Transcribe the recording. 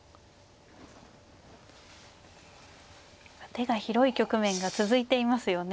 手が広い局面が続いていますよね。